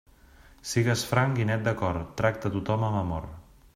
Sigues franc i net de cor, tracta a tothom amb amor.